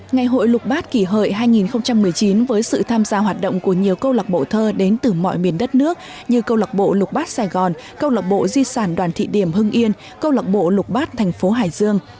ngày hội lục bát kỳ hợi hai nghìn một mươi chín với sự tham gia hoạt động của nhiều câu lạc bộ thơ đến từ mọi miền đất nước như câu lạc bộ lục bát sài gòn câu lạc bộ di sản đoàn thị điểm hưng yên câu lạc bộ lục bát thành phố hải dương